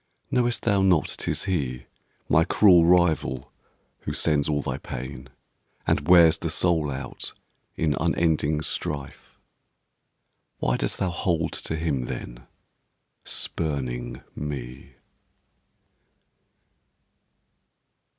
Knowest thou not 'tis he, My cruel rival, who sends all thy pain And wears the soul out in unending strife? Why dost thou hold to him, then, spurning me?